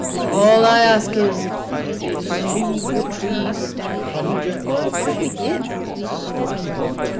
All I ask is, did you leave the tree standing?" "We did," said the boys.